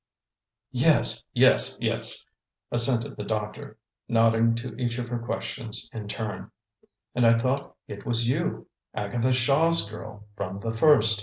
"Yes yes yes," assented the doctor, nodding to each of her questions in turn; "and I thought it was you, Agatha Shaw's girl, from the first.